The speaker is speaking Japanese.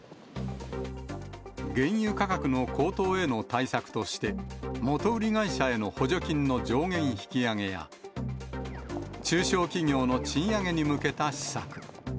原油価格の高騰への対策として、元売り会社への補助金の上限引き上げや、中小企業の賃上げに向けた施策。